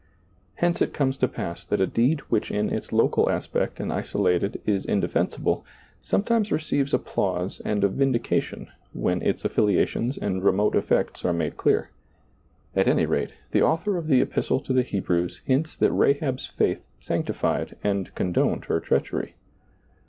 Hence it comes to pass that a deed which in its local aspect and isolated is indefen sible, sometimes receives applause and a vindica tion when its afHliations and remote effects are made clear. At any rate, the author of the Epistle to the Hebrews hints that Rahab's faith sanctified and condoned her treachery.